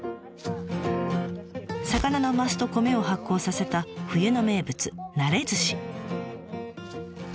魚のマスと米を発酵させた冬の名物「なれずし」。